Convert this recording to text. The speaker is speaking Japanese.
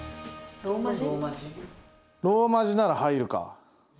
ローマ字なら入るか。